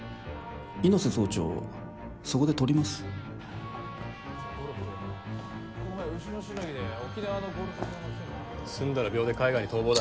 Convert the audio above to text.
猪背総長をそこでとります済んだら秒で海外に逃亡だ。